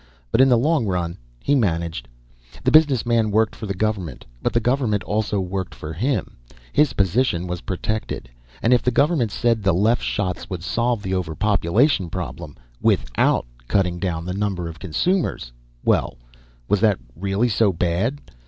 But in the long run, he managed. The business man worked for the government, but the government also worked for him. His position was protected. And if the government said the Leff Shots would solve the overpopulation problem without cutting down the number of consumers well, was that really so bad?